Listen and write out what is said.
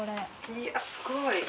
いやすごい。